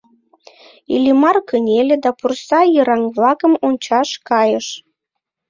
Иллимар кынеле да пурса йыраҥ-влакым ончаш кайыш.